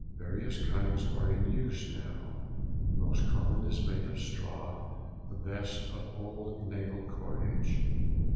Various kinds are in use now; the most common is made of straw, the best of old naval cordage.